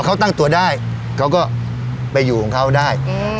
เขาตั้งตัวได้เขาก็ไปอยู่ของเขาได้